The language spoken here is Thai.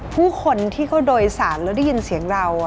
ผู้คนที่เขาโดยสารแล้วได้ยินเสียงเรา